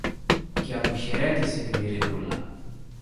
και αποχαιρέτησε την Ειρηνούλα.